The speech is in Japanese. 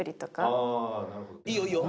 いいよいいよ。